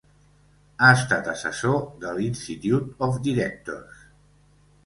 Ha estat assessor de l'Institute of Directors.